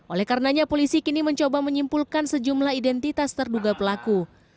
oleh karenanya polisi kini mencoba menyimpulkan sejumlah identitas terduga pelaku